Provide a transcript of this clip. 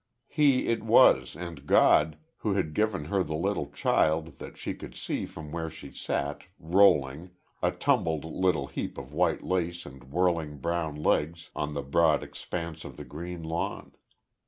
He it was, and God, who had given her the little child that she could see from where she sat, rolling, a tumbled little heap of white lace and whirling brown legs on the broad expanse of the green lawn.